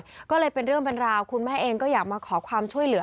พูดจากน้องมันราวคุณแม่เองก็อยากมาขอความช่วยเหลือ